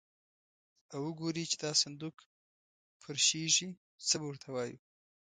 او وګوري چې دا صندوق پرشېږي، څه به ور ته وایو.